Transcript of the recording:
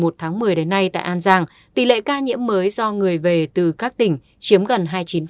từ tháng một mươi đến nay tại an giang tỷ lệ ca nhiễm mới do người về từ các tỉnh chiếm gần hai mươi chín